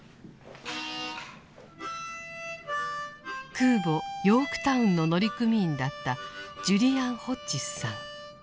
空母「ヨークタウン」の乗組員だったジュリアン・ホッジスさん。